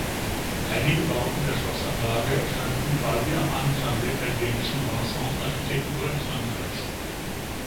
Einige Bauten der Schlossanlage standen quasi am Anfang der italienischen Renaissance-Architektur in Frankreich.